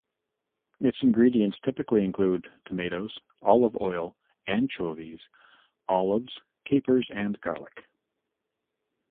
Its ingredients typically include tomatoes, olive oil, anchovies, olives, capers and garlic.